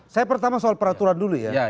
saya pertama soal peraturan dulu ya